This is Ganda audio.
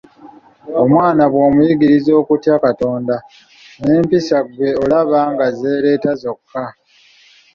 Omwana bw’omuyigiriza okutya Katonda n’empisa ggwe olaba nga zeereeta zokka.